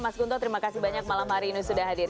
mas gunto terima kasih banyak malam hari ini sudah hadir